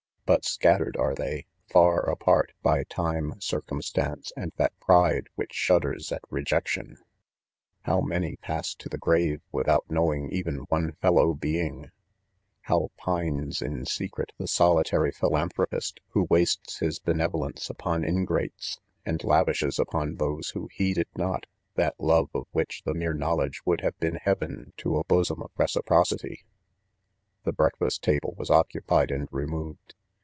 but scattered are they, far apart, by time, circumstance, and that pride which shudders at rejection, How many pass to the grave, without knowing even one fel low being I How pines, in secret, the solitary philanthropist, who wastes his benevolence up on ingrates 5 and lavishes upon those who heed it not, that love of which the mere knowledge would have been heaven to a bosom of recipro city! The breakfast table was occupied and re moved.